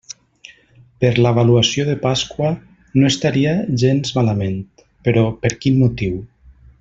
Per l'avaluació de Pasqua no estaria gens malament, però, per quin motiu?